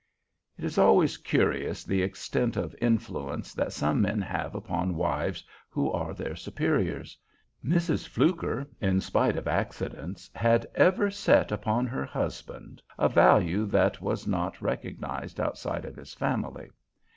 It is always curious the extent of influence that some men have upon wives who are their superiors. Mrs. Fluker, in spite of accidents, had ever set upon her husband a value that was not recognized outside of his family.